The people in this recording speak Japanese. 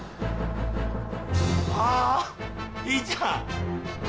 ああヒーちゃん